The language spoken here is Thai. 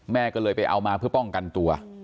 แม่ก็เลยไปเอามาเพื่อป้องกันตัว